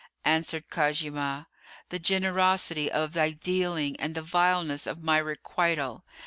Answered Khuzaymah, "The generosity of thy dealing and the vileness of my requital."